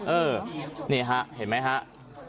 โอ้นี่ครับเห็นไหมครับ